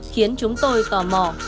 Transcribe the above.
khiến chúng tôi tò mò